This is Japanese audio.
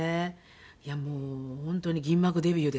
いやもう本当に銀幕デビューですよね。